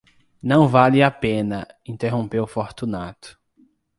Não vale a pena, interrompeu Fortunato.